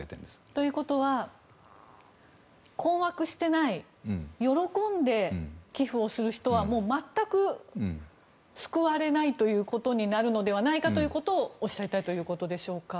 ということは困惑してない喜んで寄付をする人は全く救われないということになるのではないかということをおっしゃりたいということでしょうか。